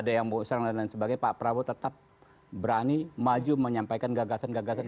dan sekarang lain lain sebagai pak prabowo tetap berani maju menyampaikan gagasan gagasan